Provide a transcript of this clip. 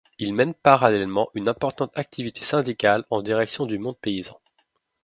Il mène parallèlement une importante activité syndicale en direction du monde paysan.